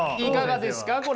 いかがですか？